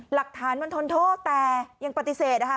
หลักฐานมันทนโทษแต่ยังปฏิเสธนะคะ